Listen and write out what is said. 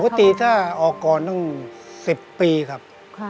ปกติถ้าออกก่อนต้อง๑๐ปีครับ